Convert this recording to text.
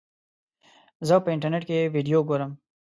زه په انټرنیټ کې ویډیو ګورم.